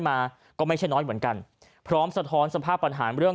มาก็ไม่ใช่น้อยเหมือนกันพร้อมสะท้อนสภาพปัญหาเรื่อง